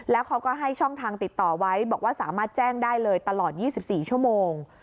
แล้วเขาก็ให้ช่องทางติดต่อไว้บอกว่าสามารถแจ้งได้เลยตลอด๒๔ชั่วโมง